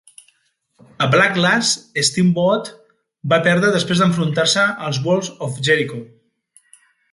A Backlash, Steamboat va perdre després d'enfrontar-se als Walls of Jericho.